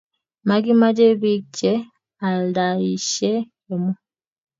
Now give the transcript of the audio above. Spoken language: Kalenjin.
Makimache pik che aldaishe kemo